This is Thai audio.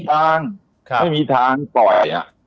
เรื่องนี้ไม่มีความเลย